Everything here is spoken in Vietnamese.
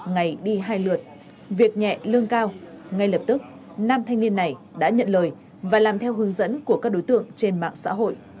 ngày đi hai lượt việc nhẹ lương cao ngay lập tức nam thanh niên này đã nhận lời và làm theo hướng dẫn của các đối tượng trên mạng xã hội